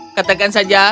eh baiklah katakan saja